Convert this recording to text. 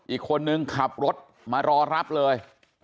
อีกคนนึงขับรถมารอรับเลย